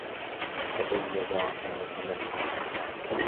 لديّ جارة مسلمة.